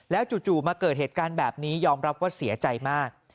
จู่มาเกิดเหตุการณ์แบบนี้ยอมรับว่าเสียใจมาก